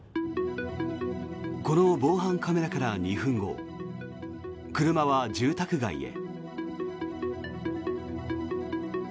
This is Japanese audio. この防犯カメラから２分後車は住宅街へ。